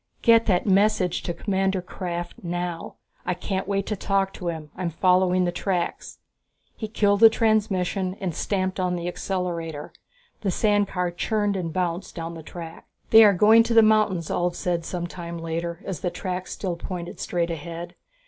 "Get that message to Commander Krafft now. I can't wait to talk to him I'm following the tracks." He killed the transmission and stamped on the accelerator. The sand car churned and bounced down the track. "They are going to the mountains," Ulv said some time later, as the tracks still pointed straight ahead.